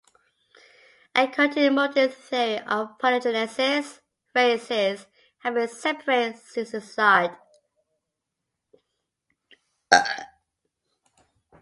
According to Morton's theory of polygenesis, races have been separate since the start.